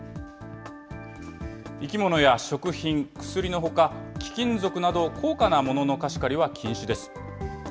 生き物や食品、薬のほか、貴金属など高価なものの貸し借りは禁止です。